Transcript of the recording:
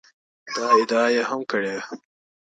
دا ادعا یې هم کړې